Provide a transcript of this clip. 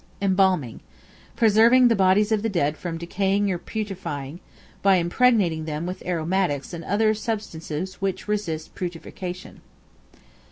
Embalming, preserving the bodies of the dead from decaying or putrefying, by impregnating them with aromatics and other substances which resist putrefaction.